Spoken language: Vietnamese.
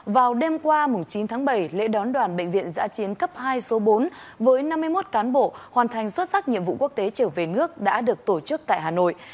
vào đêm qua chín tháng bảy lễ đón đoàn bệnh viện giã chiến cấp hai số bốn với năm mươi một cán bộ hoàn thành xuất sắc nhiệm vụ quốc tế trở về nước đã được tổ chức tại hà nội